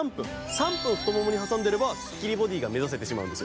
３分太ももに挟んでればすっきりボディが目指せてしまうんです。